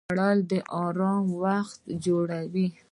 خوړل د آرام وخت جوړوي